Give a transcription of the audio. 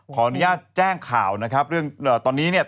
ขออนุญาตแจ้งข่าวนะครับเรื่องตอนนี้เนี่ย